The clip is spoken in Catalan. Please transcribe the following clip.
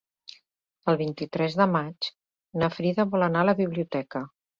El vint-i-tres de maig na Frida vol anar a la biblioteca.